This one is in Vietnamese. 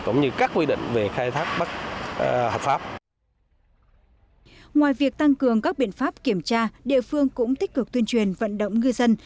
ngoài việc tăng cường các biện pháp kiểm tra địa phương cũng tích cực tuyên truyền vận động ngư dân